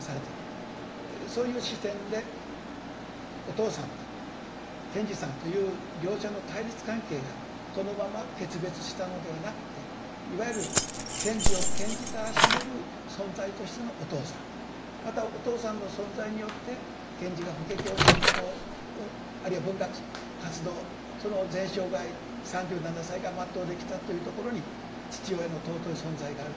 そういう視点でお父さんと賢治さんという両者の対立関係がこのまま決別したのではなくていわゆる賢治を賢治たらしめる存在としてのお父さんまたお父さんの存在によって賢治が法華経信仰をあるいは文学活動その全生涯３７歳が全うできたというところに父親の尊い存在があると。